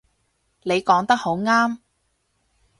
你講得好啱